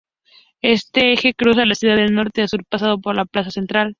Este eje cruza la ciudad de norte a sur pasando por la plaza central.